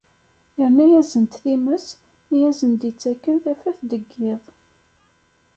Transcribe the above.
Yerna-asen-d times i asen-d-ittaken tafat deg yiḍ.